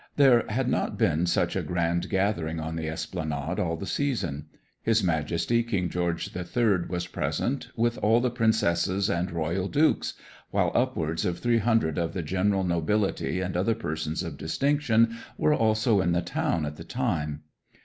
There had not been such a grand gathering on the Esplanade all the season. His Majesty King George the Third was present, with all the princesses and royal dukes, while upwards of three hundred of the general nobility and other persons of distinction were also in the town at the time.